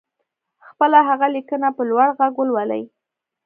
خپله هغه ليکنه په لوړ غږ ولولئ.